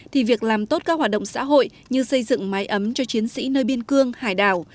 thì việc làm tốt các hoạt động xã hội như xây dựng máy ấm cho chiến sĩ nơi biên cương hải đảo